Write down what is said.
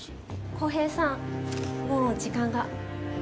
浩平さんもう時間が。